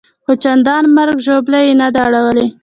خو چندان مرګ ژوبله یې نه ده اړولې.